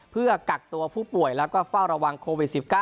เพื่อกักตัวผู้ป่วยแล้วก็เฝ้าระวังโควิด๑๙